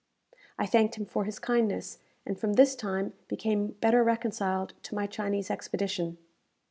I thanked him for his kindness, and from this time became better reconciled to my Chinese expedition.